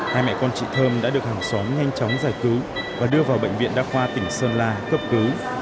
hai mẹ con chị thơm đã được hàng xóm nhanh chóng giải cứu và đưa vào bệnh viện đa khoa tỉnh sơn la cấp cứu